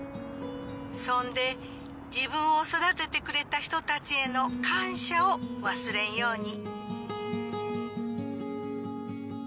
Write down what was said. そんで自分を育ててくれた人たちへの感謝を忘れんように。